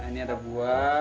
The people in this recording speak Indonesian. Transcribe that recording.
nah ini ada buah